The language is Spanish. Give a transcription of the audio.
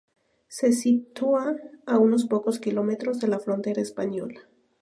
Se sitúa a unos pocos kilómetros de la frontera española.